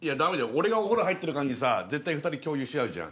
俺がお風呂入ってる間にさ絶対２人共有し合うじゃん。